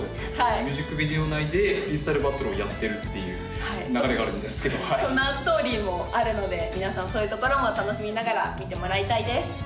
ミュージックビデオ内でフリースタイルバトルをやってるっていう流れがあるんですけどそんなストーリーもあるので皆さんそういうところも楽しみながら見てもらいたいです